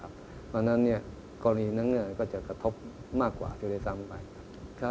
อันนั้นคล้อนินังก็จะกระทบมากกว่าเทเร๓ประเภท